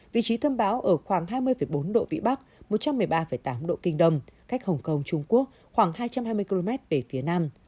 vị trí tâm bão ở khoảng hai mươi bốn độ vĩ bắc một trăm một mươi ba tám độ kinh đông cách hồng kông trung quốc khoảng hai trăm hai mươi km về phía nam